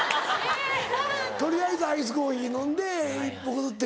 取りあえずアイスコーヒー飲んで一服吸って。